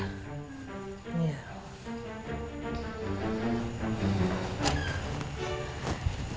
eh iya kenapa